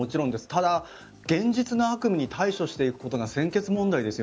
ただ、現実の悪夢に対処していくことが先決問題です。